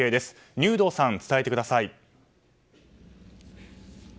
入道さん、伝えてください。